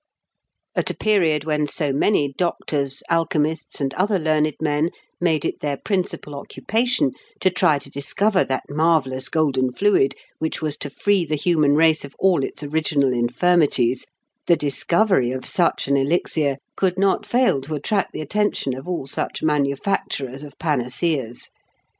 At a period when so many doctors, alchemists, and other learned men made it their principal occupation to try to discover that marvellous golden fluid which was to free the human race of all its original infirmities, the discovery of such an elixir could not fail to attract the attention of all such manufacturers of panaceas.